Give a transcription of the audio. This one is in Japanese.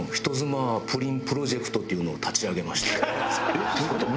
えっどういう事？